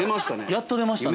◆やっと出ましたね。